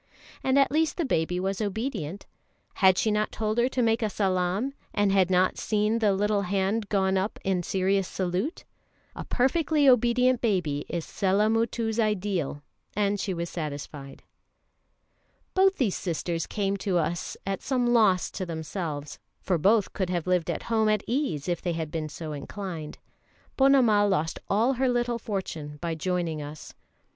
And at least the baby was obedient. Had she not told her to make a salaam, and had not the little hand gone up in serious salute? A perfectly obedient baby is Sellamuttu's ideal, and she was satisfied. [Illustration: TO THE RIGHT, SUHINIE, AND HER BABY SUNUNDA] Both these sisters came to us at some loss to themselves, for both could have lived at home at ease if they had been so inclined. Ponnamal lost all her little fortune by joining us.